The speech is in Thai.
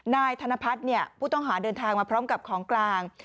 นายธนพัฒน์ผู้ต้องหาเดินทางมาพร้อมกับของกลาง